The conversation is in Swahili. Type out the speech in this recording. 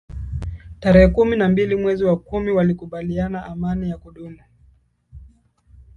Tarehe kumi na mbili mwezi wa kumi walikubaliana amani ya kudumu